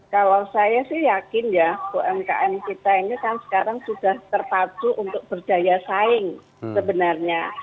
kalau saya sih yakin ya umkm kita ini kan sekarang sudah terpadu untuk berdaya saing sebenarnya